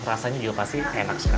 rasanya juga pasti enak